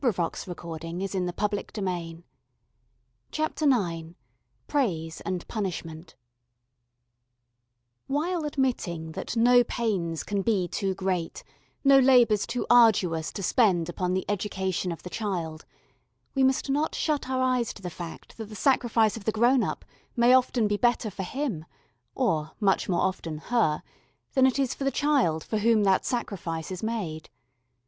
CHAPTER IX Praise and Punishment [Illustration: THE OTHER HALF OF THE CITY. 82]] WHILE admitting that no pains can be too great, no labours too arduous to spend upon the education of the child, we must not shut our eyes to the fact that the sacrifice of the grown up may often be better for him or much more often her than it is for the child for whom that sacrifice is made.